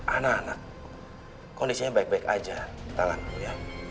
anak anak kondisinya baik baik aja kita lakuin dulu ya